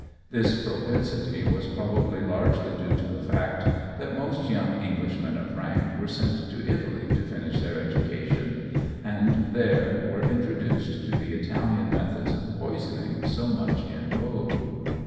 This propensity was probably largely due to the fact that most young Englishmen of rank were sent to Italy to finish their education, and there were introduced to the Italian methods of poisoning so much in vogue.